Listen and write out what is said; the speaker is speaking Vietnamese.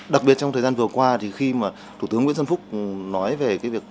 đặc biệt trong thời gian vừa qua thì khi thủ tướng nguyễn xuân phúc nói về việc